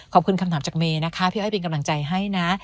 ขอบคุณคำถามจากเมย์นะคะพี่อ้อยเป็นกำลังใจให้นะ